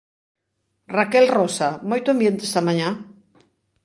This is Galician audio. Raquel Rosa, moito ambiente esta mañá?